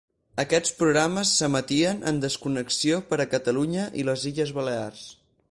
Aquests programes s'emetien en desconnexió per a Catalunya i les Illes Balears.